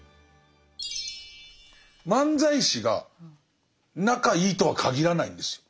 漫才師が仲いいとはかぎらないんですよ。